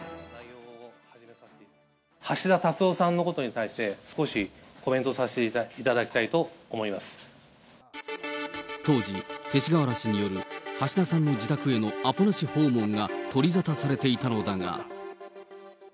橋田達夫さんのことに対して、少しコメントさせていただきたい当時、勅使河原氏による橋田さんの自宅へのアポなし訪問が取り沙汰されていたのだが。